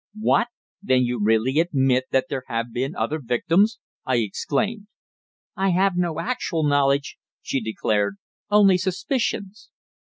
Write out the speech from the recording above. "What? Then you really admit that there have been other victims?" I exclaimed. "I have no actual knowledge," she declared, "only suspicions."